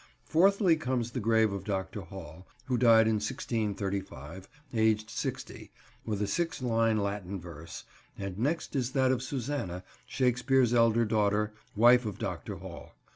Fourthly comes the grave of Dr. Hall, who died in 1635, aged sixty, with a six line Latin verse, and next is that of Susanna, Shakespeare's elder daughter, wife of Dr. Hall.